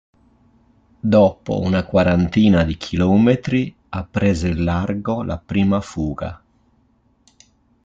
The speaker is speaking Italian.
Dopo una quarantina di chilometri ha preso il largo la prima fuga.